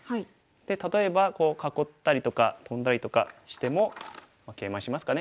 例えばこう囲ったりとかトンだりとかしてもケイマしますかね。